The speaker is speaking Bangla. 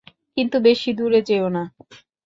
কিন্তু বেশি দূরে যেওনা।